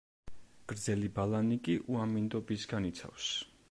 გრძელი ბალანი კი უამინდობისგან იცავს.